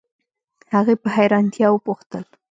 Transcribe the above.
هغې په حیرانتیا وپوښتل